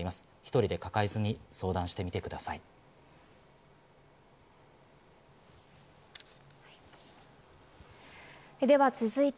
１人で抱えず、相談してみてください。